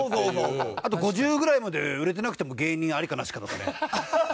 あと「５０ぐらいまで売れてなくても芸人アリかナシか」とかね。